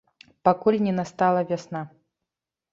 Пакуль не настала вясна.